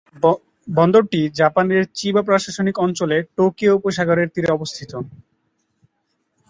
বন্দরটি জাপানের চিবা প্রশাসনিক অঞ্চলে টোকিও উপসাগরের তীরে অবস্থিত।